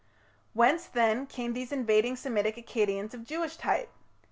Whence, then, came these invading Semitic Akkadians of Jewish type?